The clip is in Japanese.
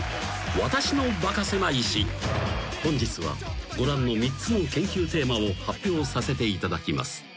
『私のバカせまい史』［本日はご覧の３つの研究テーマを発表させていただきます］